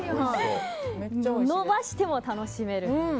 伸ばしても楽しめる。